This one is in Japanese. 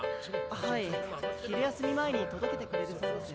はい昼休み前に届けてくれるそうです。